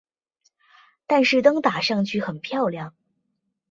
但是灯打上去很漂亮